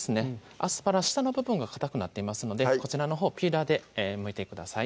アスパラ下の部分がかたくなっていますのでこちらのほうピーラーでむいてください